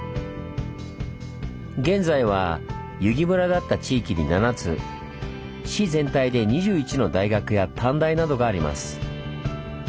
現在は由木村だった地域に７つ市全体で２１の大学や短大などがあります。